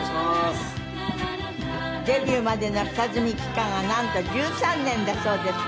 デビューまでの下積み期間がなんと１３年だそうです。